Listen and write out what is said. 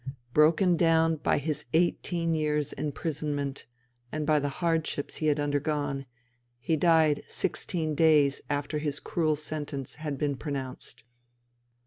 Broken down by his eighteen years' imprisonment and by the hardships he had undergone, he died sixteen days after his cruel sentence had been pronounced.